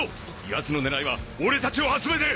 やつの狙いは俺たちを集めて。